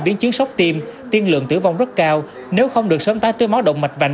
biến chứng sốc tiêm tiên lượng tử vong rất cao nếu không được sớm tái tươi máu đồng mạch vạnh